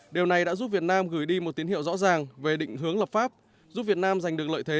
điều này đã giúp việt nam gửi đi một tín hiệu rõ ràng về định hướng lập pháp giúp việt nam giành được lợi thế